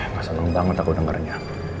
masa neng banget aku dengernya